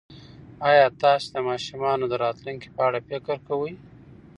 ایا تاسي د ماشومانو د راتلونکي په اړه فکر کوئ؟